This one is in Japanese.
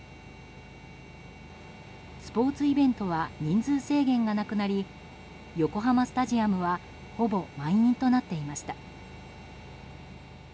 スポーツイベントは人数制限がなくなり横浜スタジアムはほぼ満員となっていました。